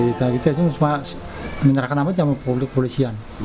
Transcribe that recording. kisah kisah yang menyerahkan oleh polisi